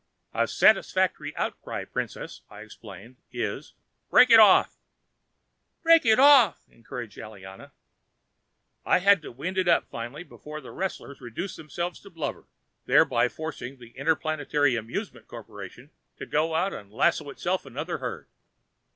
"A satisfactory outcry, Princess," I explained, "is, 'Break it off!'" "Break it off!" encouraged Aliana. I had to wind it up, finally, before the wrestlers reduced themselves to blubber, thereby forcing the Interplanetary Amusement Corp. to go out and lasso itself another herd.